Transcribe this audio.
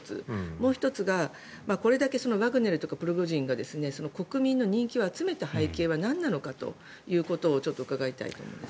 もう１つが、これだけワグネルとかプリゴジンが国民の人気を集めた背景はなんなのかを伺いたいと思います。